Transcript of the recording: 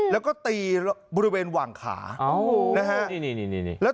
แล้วก็ตีบริเวณหว่างขาอ๋อนะฮะนี่นี่นี่นี่